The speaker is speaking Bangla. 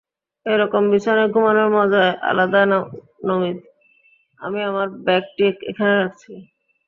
এইরকম বিছানায় ঘুমানোর মজায় আলাদা, নমিত, আমি আমার ব্যাগটি এখানে রাখছি।